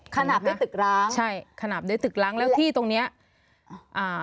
ขนาดได้ตึกร้างใช่ขนาดได้ตึกร้างแล้วที่ตรงเนี้ยอ่า